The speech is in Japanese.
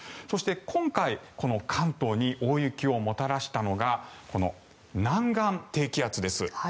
そして、今回関東に大雪をもたらしたのがこの南岸低気圧です。